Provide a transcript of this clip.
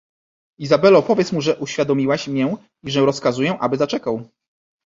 "Izabello, powiedz mu, że uwiadomiłaś mię i że rozkazuję aby zaczekał."